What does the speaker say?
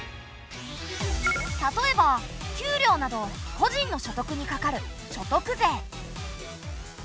例えば給料など個人の所得にかかる所得税。